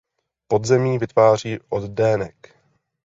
Pod zemí vytváří oddenek.